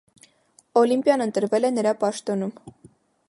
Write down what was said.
Օլիմպիան ընտրվել է նրա պաշտոնում։